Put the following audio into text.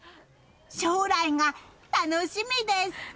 将来が楽しみです！